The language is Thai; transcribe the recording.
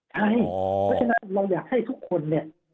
ใช่แล้วฉะนั้นเราอยากให้ทุกคนเนี่ย